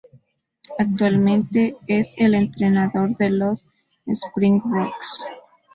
Actualmente es el entrenador de los Springboks.